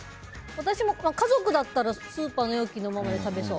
私も家族だったら、スーパーの容器のままで食べそう。